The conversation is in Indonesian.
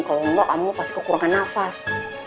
kalau enggak kamu pasti kekurangan nafas